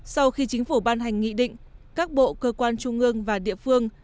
sau khi chính phủ ban hành nghị định các bộ cơ quan trung ương và địa phương